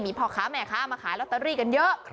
พ่อค้าแม่ค้ามาขายลอตเตอรี่กันเยอะ